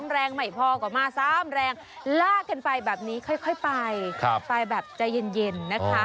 แรงใหม่พอก็มา๓แรงลากกันไปแบบนี้ค่อยไปไปแบบใจเย็นนะคะ